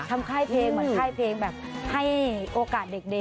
ค่ายเพลงเหมือนค่ายเพลงแบบให้โอกาสเด็ก